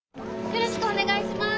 よろしくお願いします。